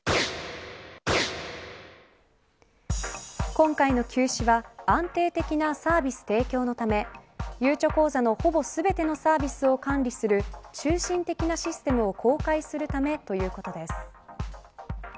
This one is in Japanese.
今回の休止は安定的なサービス提供のためゆうちょ口座のほぼ全てのサービスを管理する中心的なシステムを更改するためということです。